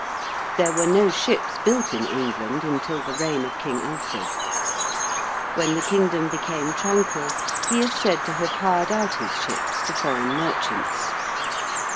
There were no ships built in England until the reign of King Alfred. When the kingdom became tranquil he is said to have hired out his ships to foreign merchants.